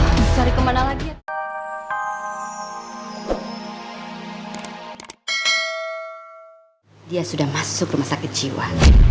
mama papa kamu sendiri yang masukin dia ke jiwa